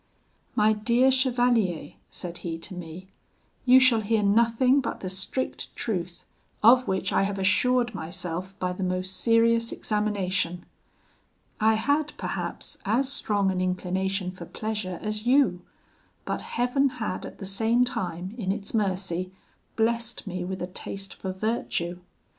"'My dear chevalier,' said he to me, 'you shall hear nothing but the strict truth, of which I have assured myself by the most serious examination. I had, perhaps, as strong an inclination for pleasure as you, but Heaven had at the same time, in its mercy, blessed me with a taste for virtue.